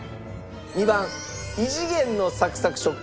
２番異次元のサクサク食感。